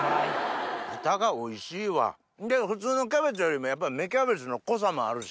豚がおいしいわけど普通のキャベツよりもやっぱ芽キャベツの濃さもあるし。